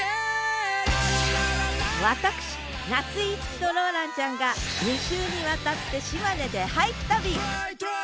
私夏井いつきとローランちゃんが２週にわたって島根で俳句旅！